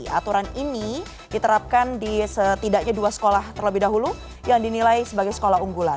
aturan ini diterapkan di setidaknya dua sekolah terlebih dahulu yang dinilai sebagai sekolah unggulan